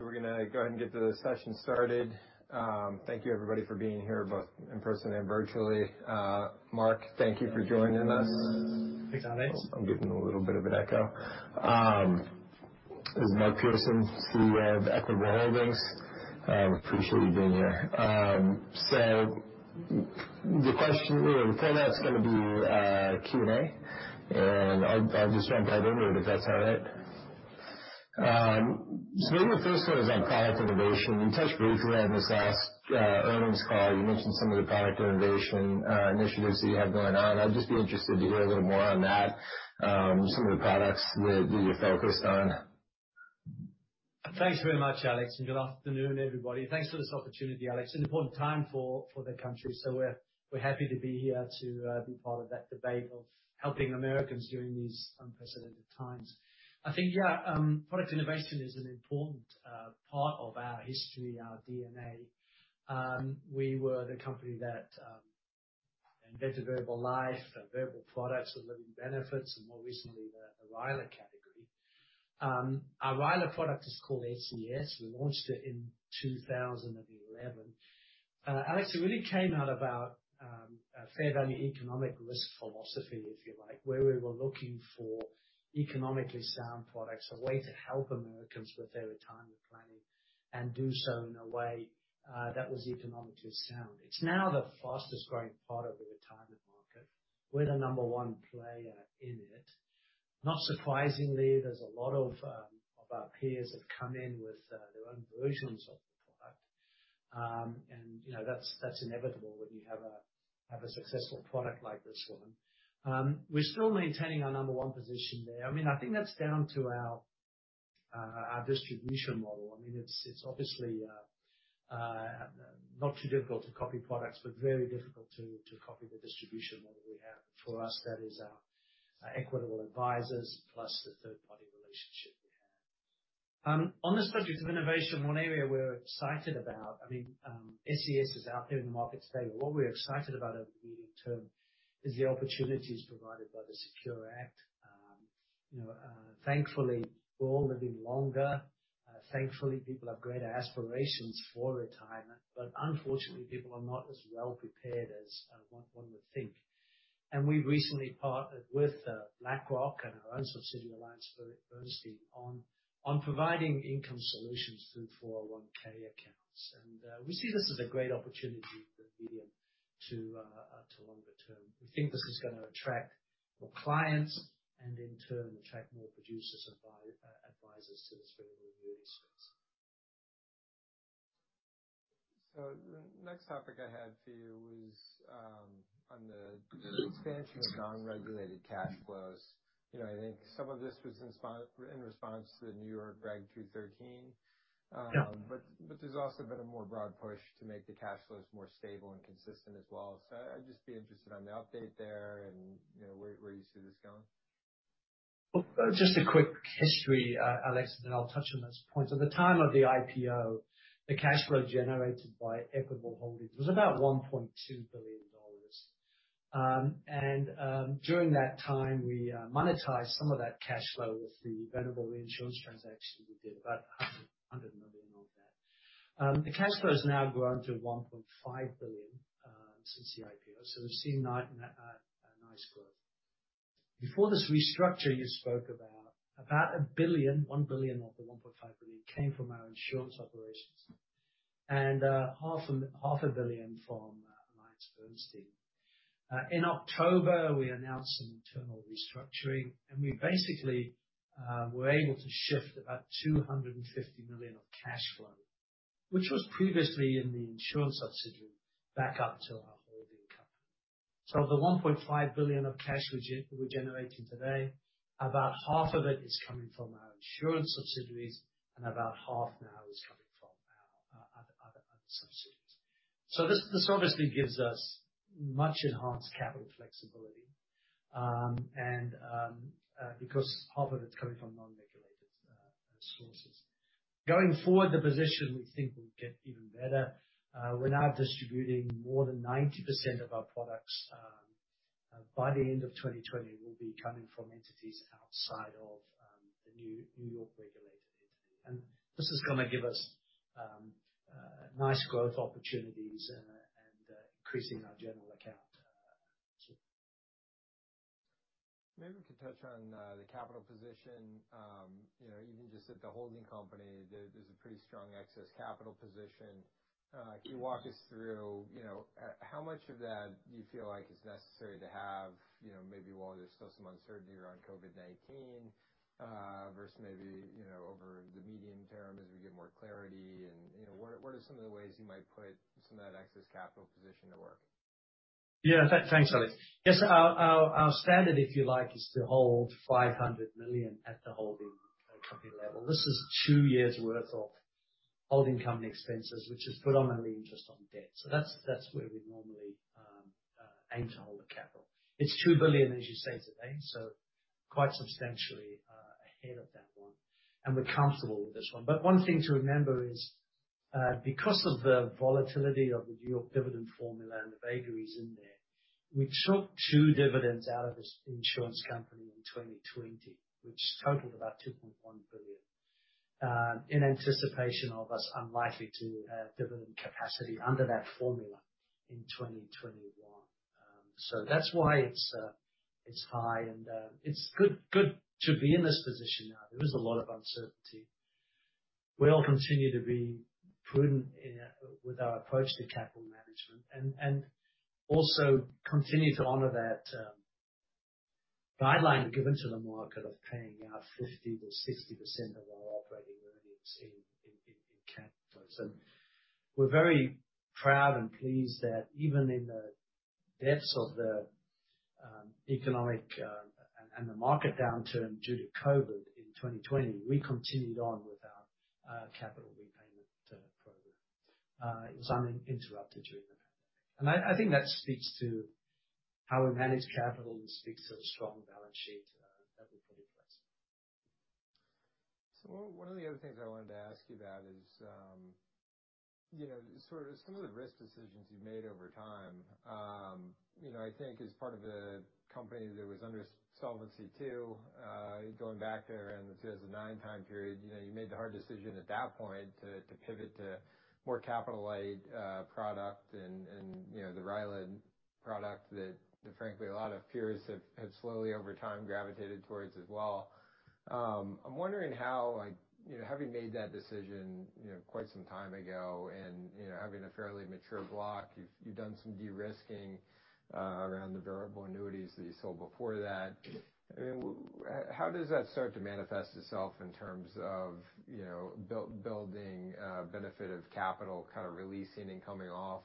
We're going to go ahead and get the session started. Thank you everybody for being here, both in person and virtually. Mark, thank you for joining us. Thanks, Alex. I'm getting a little bit of an echo. This is Mark Pearson, CEO of Equitable Holdings. I appreciate you being here. The format's going to be Q&A, and I'll just jump right over it, if that's all right. Maybe the first one is on product innovation. You touched briefly on this last earnings call. You mentioned some of the product innovation initiatives that you have going on. I'd just be interested to hear a little more on that, some of the products that you're focused on. Thanks very much, Alex, good afternoon, everybody. Thanks for this opportunity, Alex. It's an important time for the country. We're happy to be here to be part of that debate of helping Americans during these unprecedented times. Product innovation is an important part of our history, our DNA. We were the company that invented variable life, variable products with living benefits, and more recently, the RILA category. Our RILA product is called SCS. We launched it in 2011. Alex, it really came out about a fair value economic risk philosophy, if you like, where we were looking for economically sound products, a way to help Americans with their retirement planning and do so in a way that was econometrically sound. It's now the fastest growing part of the retirement market. We're the number one player in it. Not surprisingly, there's a lot of our peers have come in with their own versions of the product. That's inevitable when you have a successful product like this one. We're still maintaining our number one position there. I think that's down to our distribution model. It's obviously not too difficult to copy products, but very difficult to copy the distribution model we have. For us, that is our Equitable Advisors plus the third-party relationship we have. On the subject of innovation, one area we're excited about, SCS is out there in the market today. What we're excited about over the medium term is the opportunities provided by the SECURE Act. Thankfully, we're all living longer. Thankfully, people have greater aspirations for retirement. Unfortunately, people are not as well prepared as one would think. We've recently partnered with BlackRock and our own subsidiary, AllianceBernstein, on providing income solutions through 401 accounts. We see this as a great opportunity for the medium to longer term. We think this is going to attract more clients and, in turn, attract more producers, advisors to this variable annuity space. The next topic I had for you was on the expansion of non-regulated cash flows. I think some of this was in response to the New York Regulation 213. Yeah. There's also been a more broad push to make the cash flows more stable and consistent as well. I'd just be interested on the update there and where you see this going. Just a quick history, Alex. Then I'll touch on those points. At the time of the IPO, the cash flow generated by Equitable Holdings was about $1.2 billion. During that time, we monetized some of that cash flow with the variable reinsurance transaction we did, about $100 million of that. The cash flow has now grown to $1.5 billion since the IPO. We've seen a nice growth. Before this restructure you spoke about $1 billion, $1 billion of the $1.5 billion came from our insurance operations and half a billion from AllianceBernstein. In October, we announced some internal restructuring. We basically were able to shift about $250 million of cash flow, which was previously in the insurance subsidiary, back up to our holding company. The $1.5 billion of cash we're generating today, about half of it is coming from our insurance subsidiaries, and about half now is coming from our other subsidiaries. This obviously gives us much enhanced capital flexibility, because half of it's coming from non-regulated sources. Going forward, the position we think will get even better. We're now distributing more than 90% of our products, by the end of 2020, will be coming from entities outside of the New York regulated entity. This is going to give us nice growth opportunities and increasing our general account. Maybe we could touch on the capital position. Even just at the holding company, there's a pretty strong excess capital position. Can you walk us through how much of that do you feel like is necessary to have, maybe while there's still some uncertainty around COVID-19, versus maybe over the medium term as we get more clarity? What are some of the ways you might put some of that excess capital position to work? Yeah. Thanks, Alex. Yes. Our standard, if you like, is to hold $500 million at the holding company level. This is two years' worth of holding company expenses, which is put on our interest on debt. That's where we'd normally aim to hold the capital. It's $2 billion, as you say, today, quite substantially ahead of that one, and we're comfortable with this one. One thing to remember is because of the volatility of the New York dividend formula and the vagaries in there, we took two dividends out of this insurance company in 2020, which totaled about $2.1 billion, in anticipation of us unlikely to have dividend capacity under that formula in 2021. That's why it's high, and it's good to be in this position now. There is a lot of uncertainty. We'll continue to be prudent with our approach to capital management, also continue to honor that guideline given to the market of paying out 50%-60% of our operating earnings in capital. We're very proud and pleased that even in the depths of the economic and the market downturn due to COVID in 2020, we continued on with our capital repayment program. It was uninterrupted during the pandemic. I think that speaks to how we manage capital and speaks to the strong balance sheet that we put in place. One of the other things I wanted to ask you about is some of the risk decisions you've made over time. I think as part of a company that was under Solvency II, going back around the 2009 time period, you made the hard decision at that point to pivot to more capital-light product and the RILA product that frankly, a lot of peers have slowly over time gravitated towards as well. I'm wondering how, having made that decision quite some time ago and having a fairly mature block, you've done some de-risking around the variable annuities that you sold before that. How does that start to manifest itself in terms of building benefit of capital, kind of releasing and coming off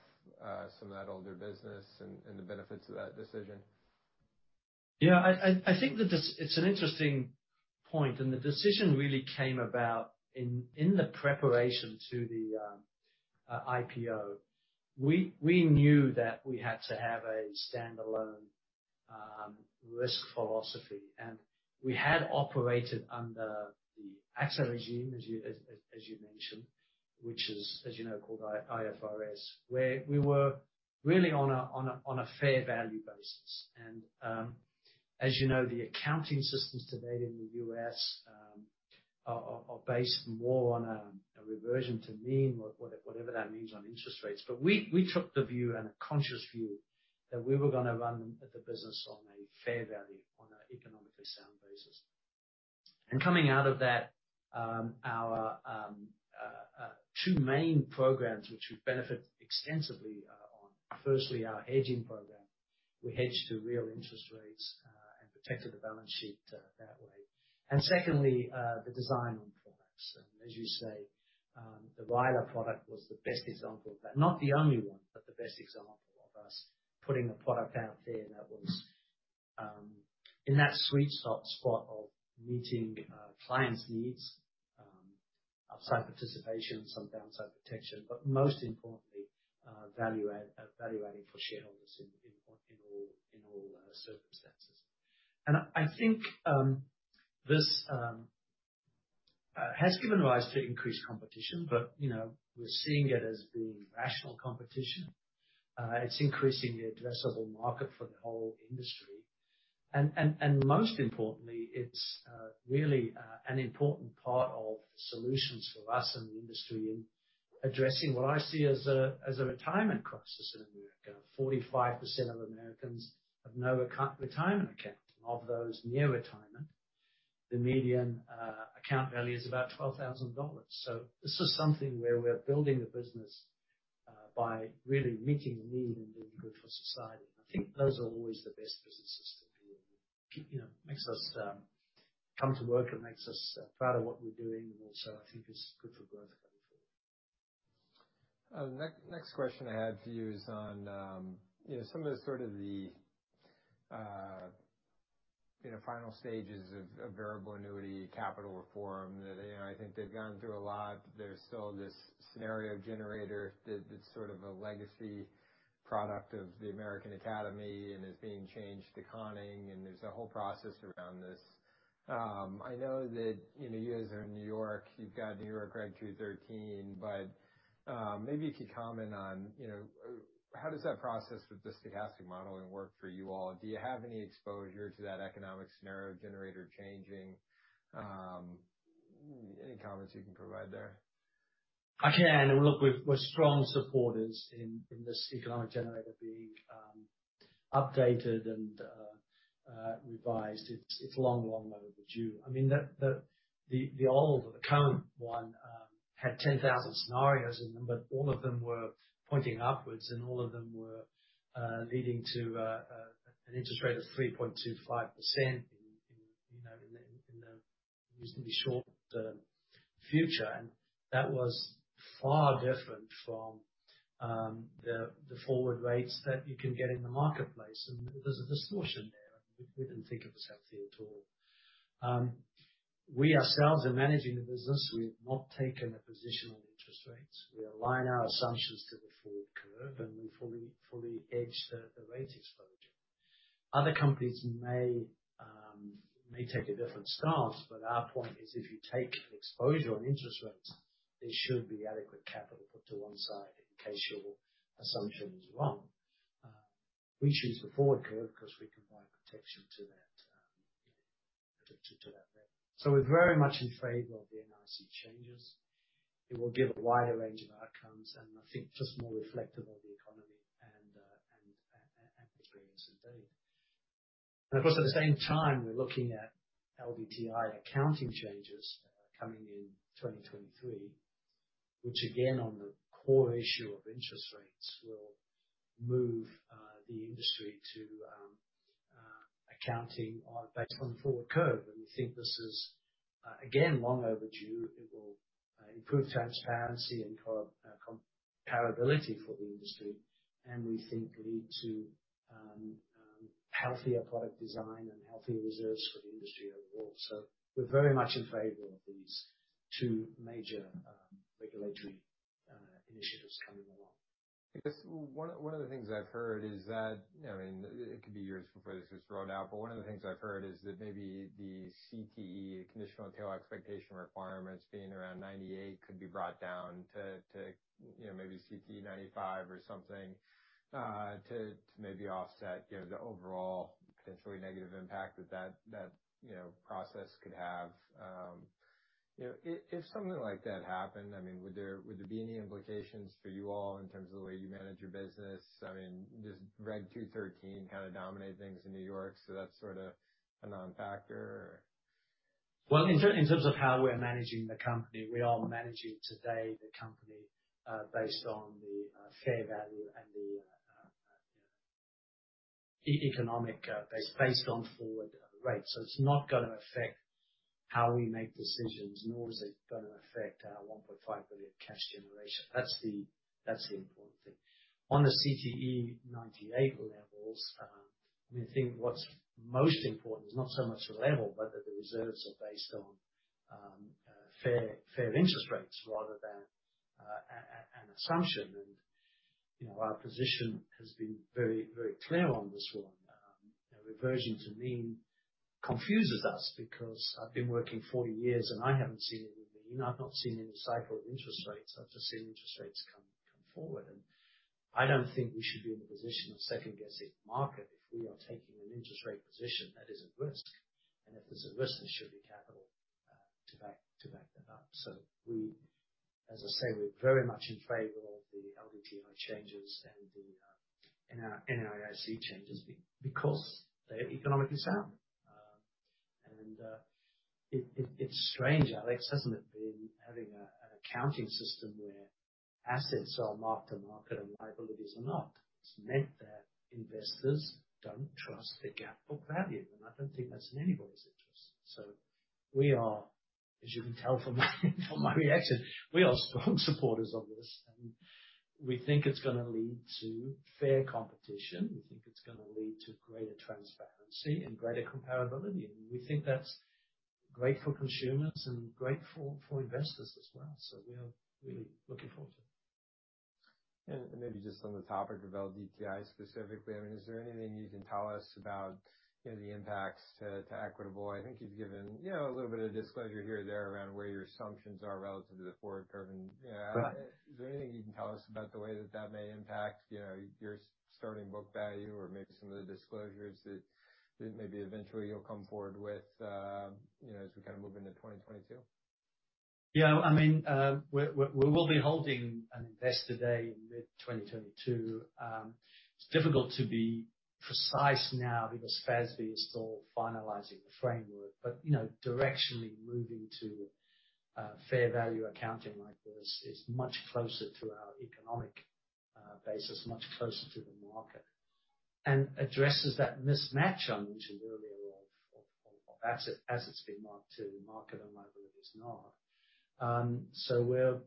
some of that older business and, the benefits of that decision? Yeah. I think that it's an interesting point. The decision really came about in the preparation to the IPO. We knew that we had to have a standalone risk philosophy, and we had operated under the AXA regime, as you mentioned, which is, as you know, called IFRS, where we were really on a fair value basis. As you know, the accounting systems today in the U.S. are based more on a reversion to mean, whatever that means on interest rates. We took the view and a conscious view that we were going to run the business on a fair value, on an economically sound basis. Coming out of that, our two main programs, which we've benefited extensively on, firstly, our hedging program. We hedged to real interest rates and protected the balance sheet that way. Secondly, the design on products. As you say, the RILA product was the best example, but not the only one, but the best example of us putting a product out there that was in that sweet spot of meeting clients' needs, upside participation, some downside protection, but most importantly, value adding for shareholders in all circumstances. I think this has given rise to increased competition, but we're seeing it as being rational competition. It's increasing the addressable market for the whole industry. Most importantly, it's really an important part of the solutions for us and the industry in addressing what I see as a retirement crisis in America. 45% of Americans have no retirement account. Of those near retirement, the median account value is about $12,000. This is something where we're building the business by really meeting a need and being good for society. I think those are always the best businesses to be in. It makes us come to work, and it makes us proud of what we're doing, and also, I think it's good for growth going forward. Next question I had for you is on some of the sort of the final stages of variable annuity capital reform. I think they've gone through a lot. There's still this scenario generator that's sort of a legacy product of the American Academy and is being changed to Conning, and there's a whole process around this. I know that you guys are in N.Y. You've got N.Y. Reg 213, maybe you could comment on how does that process with the stochastic modeling work for you all? Do you have any exposure to that economic scenario generator changing? Any comments you can provide there? I can. Look, we're strong supporters in this economic generator being updated and revised. It's long, long overdue. I mean, the old or the current one had 10,000 scenarios in them, all of them were pointing upwards, all of them were leading to an interest rate of 3.25% in the reasonably short-term future. That was far different from the forward rates that you can get in the marketplace. There's a distortion there, and we didn't think it was healthy at all. We ourselves are managing the business. We have not taken a position on interest rates. We align our assumptions to the forward curve, and we fully hedge the rate exposure. Other companies may take a different stance, our point is if you take an exposure on interest rates, there should be adequate capital put to one side in case your assumption is wrong. We choose the forward curve because we can buy protection to that rate. We're very much in favor of the NAIC changes. It will give a wider range of outcomes and I think just more reflective of the economy and experience indeed. Of course, at the same time, we're looking at LDTI accounting changes coming in 2023, which again, on the core issue of interest rates will move the industry to accounting based on forward curve. We think this is again, long overdue. It will improve transparency and comparability for the industry, and we think lead to healthier product design and healthier reserves for the industry overall. We're very much in favor of these two major regulatory initiatives coming along. I guess one of the things I've heard is that, it could be years before this is rolled out, but one of the things I've heard is that maybe the CTE, Conditional Tail Expectation requirements being around 98 could be brought down to maybe CTE 95 or something, to maybe offset the overall potentially negative impact that process could have. If something like that happened, would there be any implications for you all in terms of the way you manage your business? Does Regulation 213 kind of dominate things in New York, so that's sort of a non-factor? Well, in terms of how we're managing the company, we are managing today the company, based on the fair value and the economic base based on forward rates. It's not going to affect how we make decisions, nor is it going to affect our $1.5 billion cash generation. That's the important thing. On the CTE 98 levels, we think what's most important is not so much the level, but that the reserves are based on fair interest rates rather than an assumption. Our position has been very clear on this one. Reversion to mean confuses us because I've been working 40 years and I haven't seen any mean. I've not seen any cycle of interest rates. I've just seen interest rates come forward. I don't think we should be in the position of second guessing the market if we are taking an interest rate position that is at risk. If there's a risk, there should be capital to back that up. As I say, we're very much in favor of the LDTI changes and the NAIC changes because they're economically sound. It's strange, Alex, hasn't it, having an accounting system where assets are marked to market and liabilities are not. It's meant that investors don't trust the gap of value, and I don't think that's in anybody's interest. We are, as you can tell from my reaction, we are strong supporters of this, and we think it's going to lead to fair competition. We think it's going to lead to greater transparency and greater comparability. We think that's great for consumers and great for investors as well. We are really looking forward to it. Maybe just on the topic of LDTI specifically, is there anything you can tell us about the impacts to Equitable? I think you've given a little bit of disclosure here and there around where your assumptions are relative to the forward curve. Right. Is there anything you can tell us about the way that that may impact your starting book value or maybe some of the disclosures that maybe eventually you'll come forward with as we move into 2022? Yeah. We will be holding an investor day in mid-2022. It's difficult to be precise now because FASB is still finalizing the framework. Directionally moving to fair value accounting like this is much closer to our economic basis, much closer to the market, and addresses that mismatch I mentioned earlier of assets being marked to market and liabilities not. We're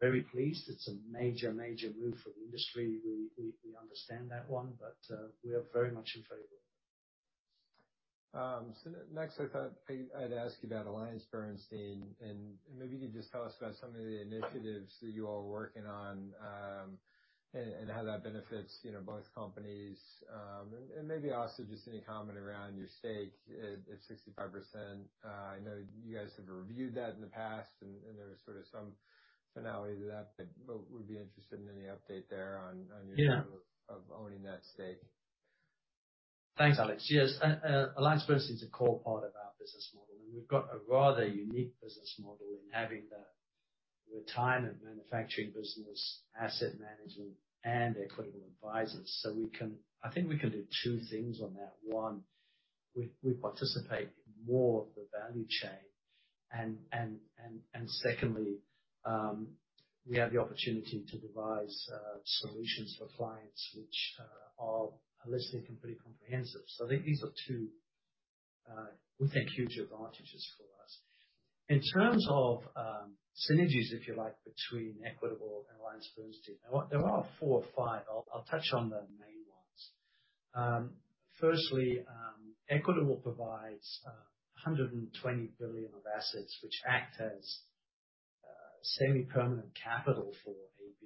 very pleased. It's a major move for the industry. We understand that one, but we are very much in favor. Next, I thought I'd ask you about AllianceBernstein, and maybe you could just tell us about some of the initiatives that you all are working on, and how that benefits both companies. And maybe also just any comment around your stake at 65%. I know you guys have reviewed that in the past, and there was sort of some finality to that, but would be interested in any update there. Yeah of owning that stake. Thanks, Alex. Yes. AllianceBernstein is a core part of our business model, and we've got a rather unique business model in having the retirement manufacturing business, asset management, and Equitable Advisors. I think we can do two things on that. One, we participate in more of the value chain. Secondly, we have the opportunity to devise solutions for clients, which are listed and pretty comprehensive. I think these are two, we think, huge advantages for us. In terms of synergies, if you like, between Equitable and AllianceBernstein, there are four or five. I'll touch on the main ones. Firstly, Equitable provides $120 billion of assets which act as semi-permanent capital for AB.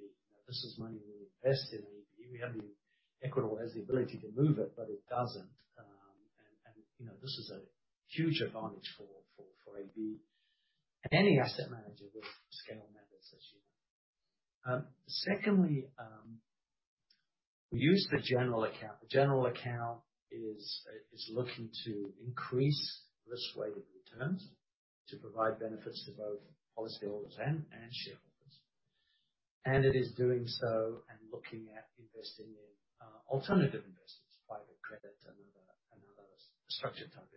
This is money we invest in AB. Equitable has the ability to move it, but it doesn't. This is a huge advantage for AB. Any asset manager with scale manages this unit. Secondly, we use the General Account. The General Account is looking to increase risk-weighted returns to provide benefits to both policyholders and shareholders. It is doing so and looking at investing in alternative investments, private credit, and other structured type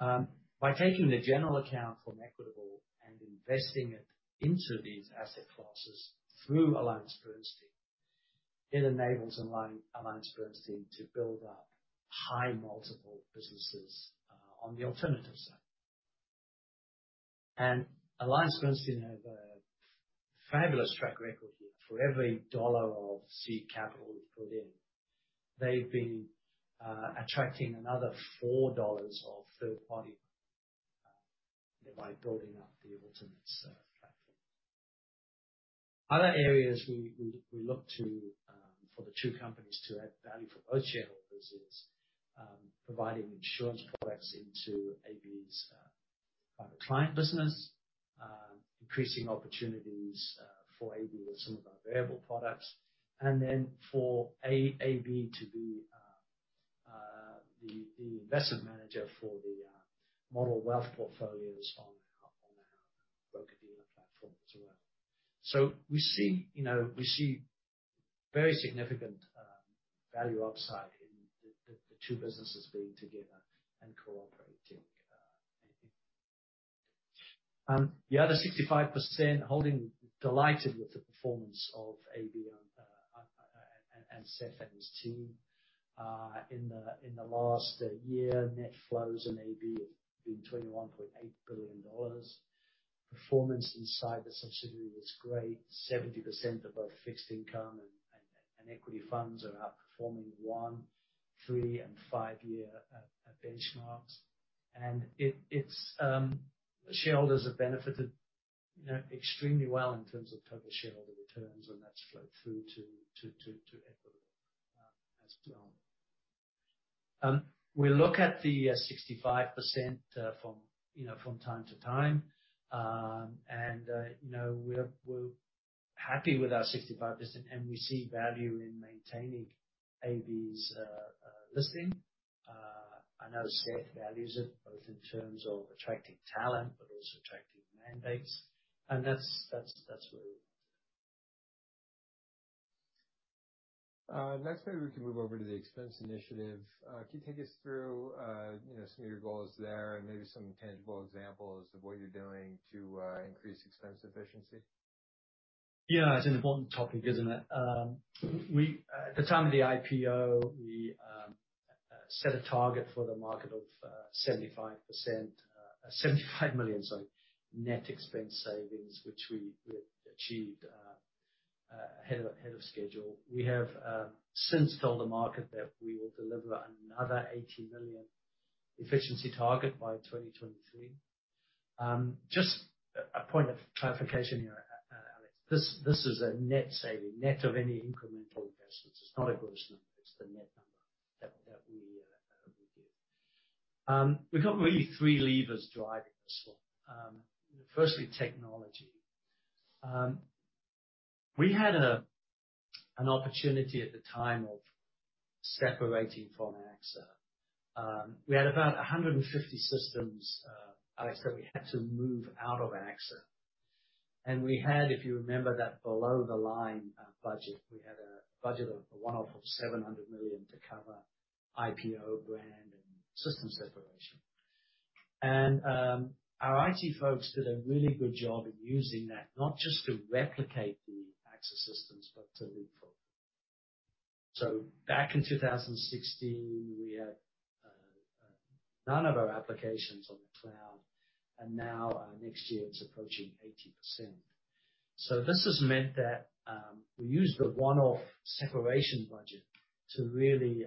investments. By taking the General Account from Equitable and investing it into these asset classes through AllianceBernstein, it enables AllianceBernstein to build up high multiple businesses on the alternative side. AllianceBernstein have a fabulous track record here. For every $1 of seed capital we've put in, they've been attracting another $4 of third-party money by building up the alternative side platform. Other areas we look to for the two companies to add value for both shareholders is providing insurance products into AB's private client business, increasing opportunities for AB with some of our variable products, and then for AB to be the investment manager for the model wealth portfolios on our broker-dealer platform as well. We see very significant value upside in the two businesses being together and cooperating. The other 65% holding, delighted with the performance of AB and Seth and his team. In the last year, net flows in AB have been $21.8 billion. Performance inside the subsidiary is great. 70% of both fixed income and equity funds are outperforming one, three, and five-year benchmarks. Shareholders have benefited extremely well in terms of total shareholder returns, and that's flowed through to Equitable as well. We look at the 65% from time to time. We're happy with our 65%, and we see value in maintaining AB's listing. I know Seth values it, both in terms of attracting talent, but also attracting mandates. That's where we want to. Next, maybe we can move over to the expense initiative. Can you take us through some of your goals there and maybe some tangible examples of what you're doing to increase expense efficiency? Yeah. It's an important topic, isn't it? At the time of the IPO, we set a target for the market of 75%. $75 million, sorry, net expense savings, which we achieved ahead of schedule. We have since told the market that we will deliver another $80 million efficiency target by 2023. Just a point of clarification here, Alex. This is a net saving, net of any incremental investments. It's not a gross number, it's the net number that we give. We've got really three levers driving this one. Firstly, technology. We had an opportunity at the time of separating from AXA. We had about 150 systems, Alex, that we had to move out of AXA. We had, if you remember that below-the-line budget, we had a budget of a one-off of $700 million to cover IPO brand and systems separation. Our IT folks did a really good job of using that, not just to replicate the AXA systems, but to leapfrog. Back in 2016, we had none of our applications on the cloud, and now, next year it's approaching 80%. This has meant that we used the one-off separation budget to really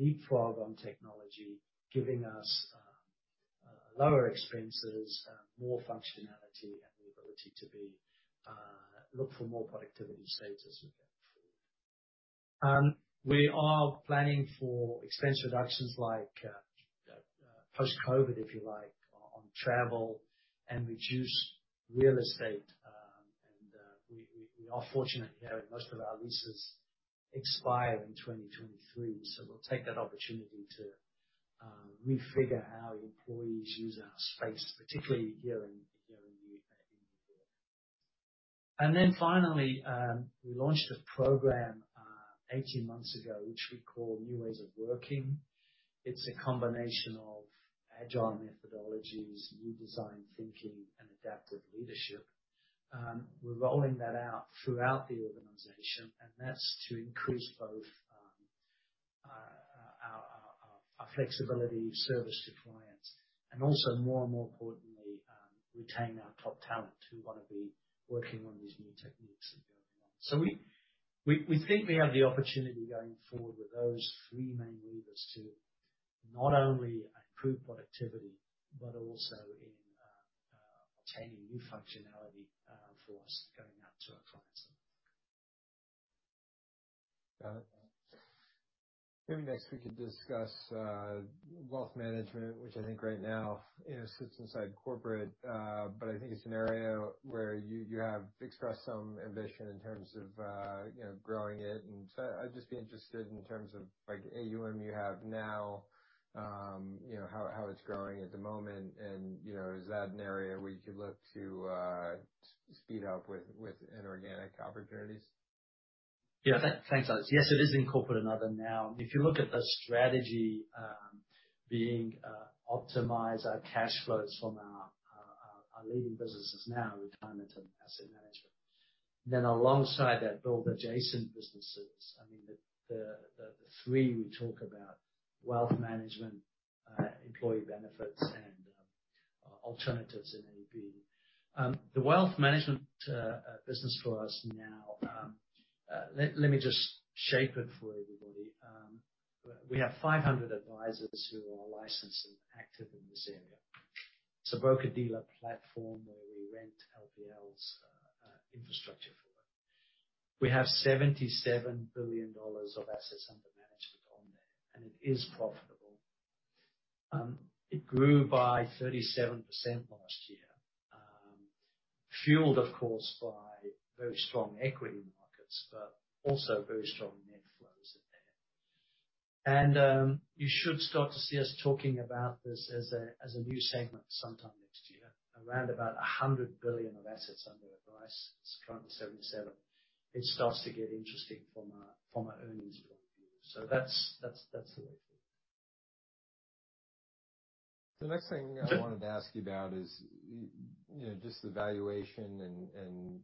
leapfrog on technology, giving us lower expenses, more functionality, and the ability to look for more productivity savings as we go forward. We are planning for expense reductions like post-COVID, if you like, on travel and reduce real estate. We are fortunate here that most of our leases expire in 2023. We'll take that opportunity to refigure how employees use our space, particularly here in New York. Finally, we launched a program 18 months ago, which we call New Ways of Working. It's a combination of agile methodologies, new design thinking, and adaptive leadership. We're rolling that out throughout the organization, and that's to increase both our flexibility of service to clients, and also more and more importantly, retain our top talent who want to be working on these new techniques that are going on. We think we have the opportunity going forward with those three main levers to not only improve productivity, but also in obtaining new functionality for us going out to our clients. Got it. Maybe next we could discuss wealth management, which I think right now sits inside corporate. I think it's an area where you have expressed some ambition in terms of growing it. I'd just be interested in terms of AUM you have now, how it's growing at the moment, and is that an area where you could look to speed up with inorganic opportunities? Yeah, thanks, Alex. Yes, it is in corporate and other now. If you look at the strategy being optimize our cash flows from our leading businesses now, retirement and asset management. Alongside that, build adjacent businesses. I mean, the three we talk about, wealth management, employee benefits, and alternatives in AB. The wealth management business for us now, let me just shape it for everybody. We have 500 advisors who are licensed and active in this area. It's a broker-dealer platform where we rent LPL's infrastructure for it. We have $77 billion of assets under management on there. It is profitable. It grew by 37% last year. Fueled, of course, by very strong equity markets, but also very strong net flows in there. You should start to see us talking about this as a new segment sometime next year. Around about 100 billion of assets under advice. It's currently 77. It starts to get interesting from an earnings point of view. That's the way forward. The next thing I wanted to ask you about is just the valuation and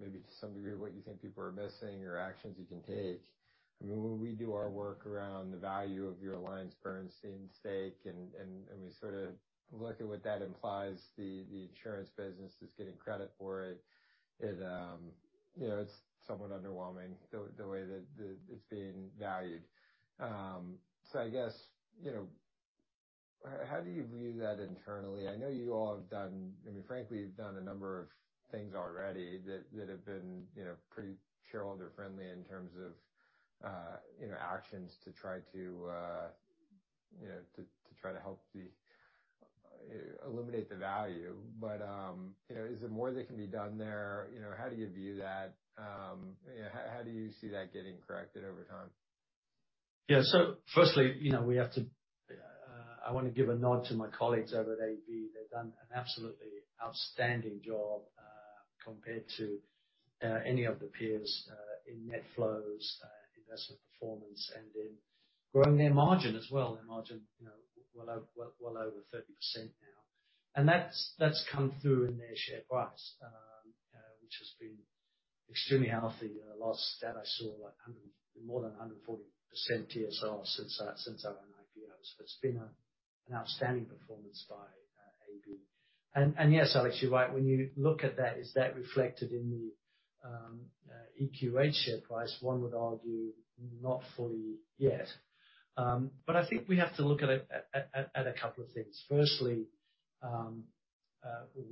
maybe to some degree, what you think people are missing or actions you can take. When we do our work around the value of your AllianceBernstein stake and we sort of look at what that implies, the insurance business is getting credit for it. It's somewhat underwhelming the way that it's being valued. I guess, how do you view that internally? I know you all have done, frankly, you've done a number of things already that have been pretty shareholder friendly in terms of actions to try to help eliminate the value. Is there more that can be done there? How do you view that? How do you see that getting corrected over time? Yeah. Firstly, I want to give a nod to my colleagues over at AB. They've done an absolutely outstanding job compared to any of the peers in net flows, investment performance, and in growing their margin as well. Their margin, well over 30% now. That's come through in their share price, which has been extremely healthy. The last stat I saw, more than 140% TSR since our own IPO. It's been an outstanding performance by AB. Yes, Alex, you're right. When you look at that, is that reflected in the EQH share price? One would argue not fully yet. I think we have to look at a couple of things. Firstly,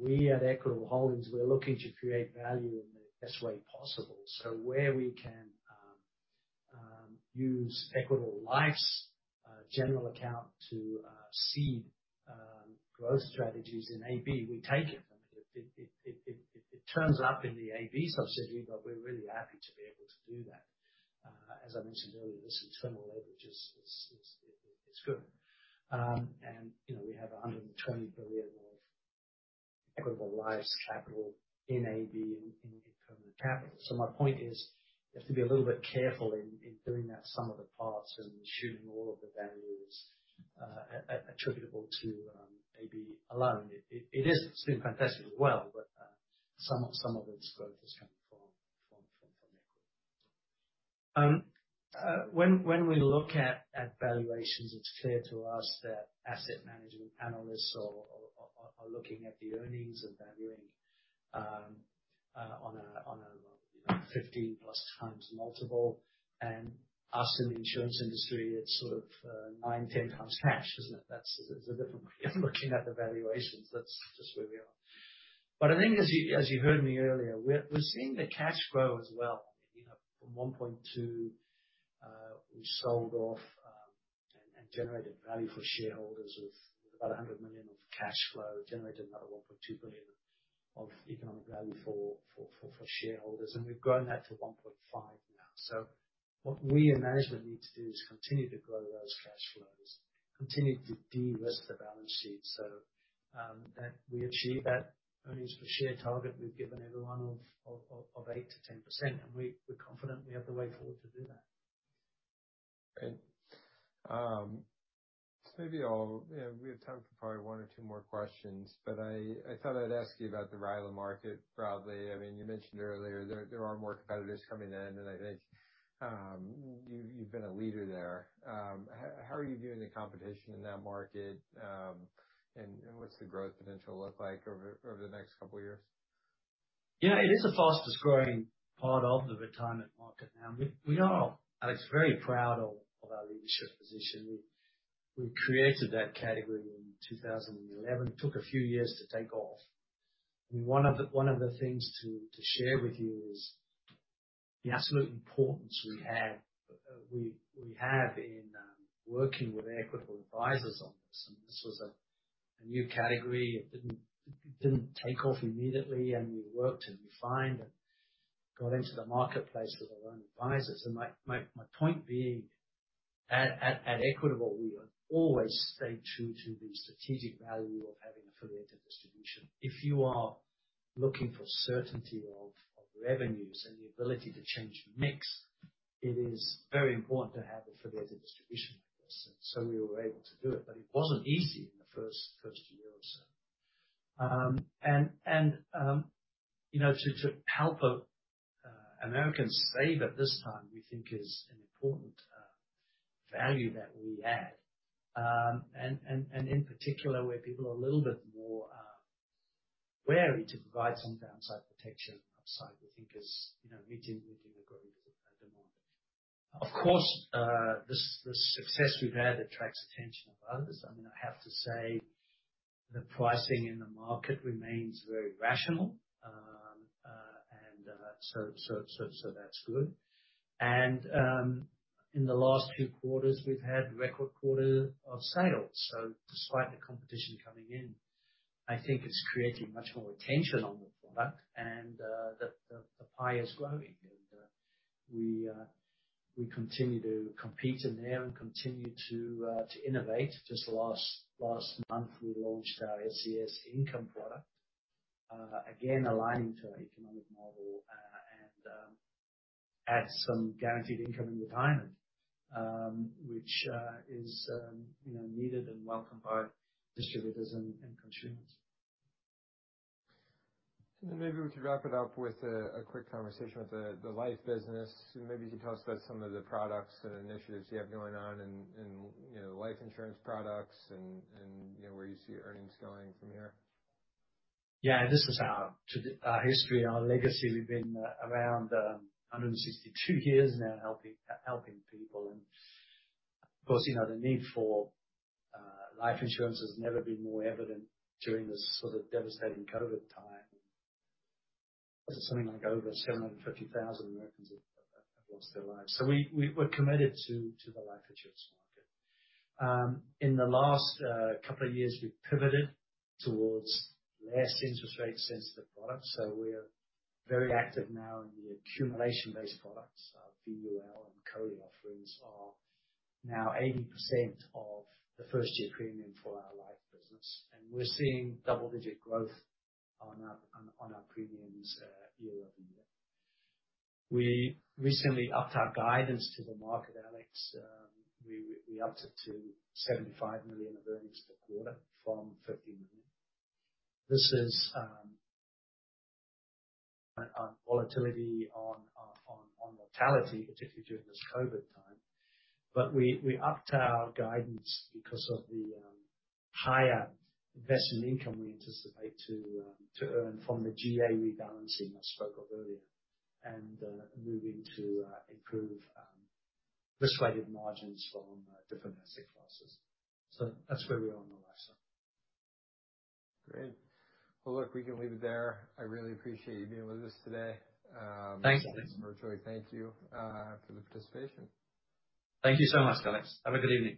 we at Equitable Holdings, we are looking to create value in the best way possible. Where we can use Equitable Life's general account to seed growth strategies in AB, we take it. It turns up in the AB subsidiary, but we're really happy to be able to do that. As I mentioned earlier, this internal leverage is good. We have $120 billion of Equitable Life's capital in AB in permanent capital. My point is, you have to be a little bit careful in doing that sum of the parts and assuming all of the value is attributable to AB alone. It is doing fantastic as well, but some of this growth is coming from Equitable. When we look at valuations, it's clear to us that asset management analysts are looking at the earnings and valuing on a 15-plus times multiple. Us in the insurance industry, it's 9, 10 times cash, isn't it? That's a different way of looking at the valuations. That's just where we are. I think as you heard me earlier, we're seeing the cash grow as well. From $1.2, we sold off and generated value for shareholders of about $100 million of cash flow, generated another $1.2 billion of economic value for shareholders, we've grown that to $1.5 now. What we in management need to do is continue to grow those cash flows, continue to de-risk the balance sheet so that we achieve that earnings per share target we've given everyone of 8%-10%. We're confident we have the way forward to do that. Great. Maybe we have time for probably one or two more questions, I thought I'd ask you about the RILA market, broadly. You mentioned earlier there are more competitors coming in, I think you've been a leader there. How are you viewing the competition in that market? What's the growth potential look like over the next couple of years? It is the fastest-growing part of the retirement market now. We are, Alex, very proud of our leadership position. We created that category in 2011. It took a few years to take off. One of the things to share with you is the absolute importance we have in working with Equitable Advisors on this. This was a new category. It didn't take off immediately, we worked and refined and got into the marketplace with our own advisors. My point being, at Equitable, we always stayed true to the strategic value of having affiliated distribution. If you are looking for certainty of revenues and the ability to change mix, it is very important to have affiliated distribution like this. We were able to do it wasn't easy in the first year or so. To help Americans save at this time, we think is an important value that we add. In particular, where people are a little bit more wary to provide some downside protection and upside, we think is meeting the growing demand. Of course, the success we've had attracts attention of others. I have to say, the pricing in the market remains very rational. That's good. In the last few quarters, we've had record quarter of sales. Despite the competition coming in, I think it's creating much more attention on the product and that the pie is growing. We continue to compete in there and continue to innovate. Just last month, we launched our SCS Income product, again, aligning to our economic model, add some guaranteed income in retirement, which is needed and welcomed by distributors and consumers. Maybe we could wrap it up with a quick conversation with the life business. Maybe you could tell us about some of the products and initiatives you have going on in life insurance products and where you see earnings going from here. Yeah. This is our history, our legacy. We've been around 162 years now, helping people. Of course, the need for life insurance has never been more evident during this sort of devastating COVID time. This is something like over 750,000 Americans have lost their lives. We're committed to the life insurance market. In the last couple of years, we've pivoted towards less interest rate sensitive products. We're very active now in the accumulation-based products. Our VUL and COLI offerings are now 80% of the first-year premium for our life business. We're seeing double-digit growth on our premiums year-over-year. We recently upped our guidance to the market, Alex. We upped it to $75 million of earnings per quarter from $50 million. This is volatility on mortality, particularly during this COVID time. We upped our guidance because of the higher investment income we anticipate to earn from the GA rebalancing I spoke of earlier and moving to improve risk-weighted margins from different asset classes. That's where we are on the life side. Great. Well, look, we can leave it there. I really appreciate you being with us today. Thanks, Alex. Virtually. Thank you for the participation. Thank you so much, Alex. Have a good evening.